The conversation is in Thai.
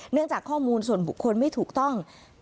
จากข้อมูลส่วนบุคคลไม่ถูกต้อง